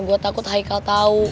gue takut haikal tau